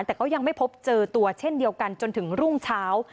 แต่ก็ยังไม่พบเจอตัวเช่นเดียวกันจนถึงรุ่งเช้า